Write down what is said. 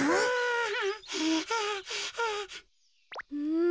うん？